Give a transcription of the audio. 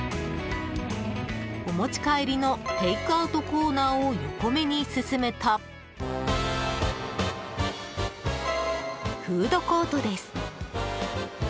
お持ち帰りのテイクアウトコーナーを横目に進むと、フードコートです。